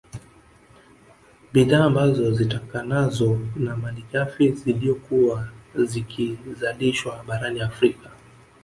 Bidhaa ambazo zitokanazo na malighafi ziliyokuwa zikizalishwa barani Afrika